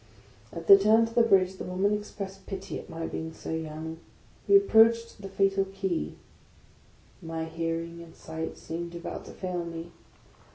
At the turn to the Bridge, the women expressed pity at my being so young. We approached the fatal Quay. My hear ing and sight seemed about to fail me.